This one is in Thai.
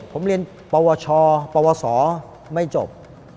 ผมเรียนปวชปวสไม่จบ